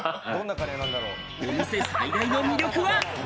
お店最大の魅力は。